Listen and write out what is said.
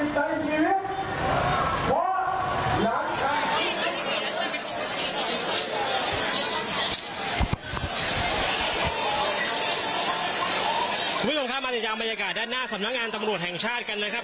คุณผู้ชมครับมาติดตามบรรยากาศด้านหน้าสำนักงานตำรวจแห่งชาติกันนะครับ